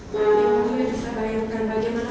jangan lupa yang disarankan bagaimana